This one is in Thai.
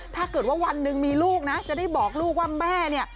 ถ้าคือวันนึงมีลูกจะได้บอกลูกว่าแม่นี่